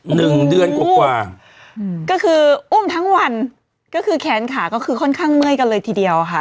หนึ่งเดือนกว่ากว่าอืมก็คืออุ้มทั้งวันก็คือแขนขาก็คือค่อนข้างเมื่อยกันเลยทีเดียวค่ะ